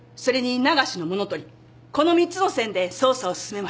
この３つの線で捜査を進めましょう。